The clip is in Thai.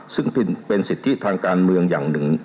ซึ่งเป็นสิทธิทางการเมืองอย่างหนึ่ง